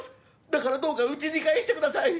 だからどうかうちに帰してください。